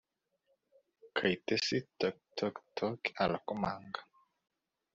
Kayitesi Tok tok tok arakomanga